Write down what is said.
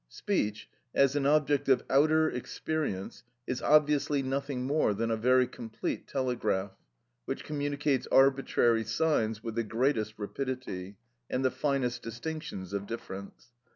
Speech, as an object of outer experience, is obviously nothing more than a very complete telegraph, which communicates arbitrary signs with the greatest rapidity and the finest distinctions of difference.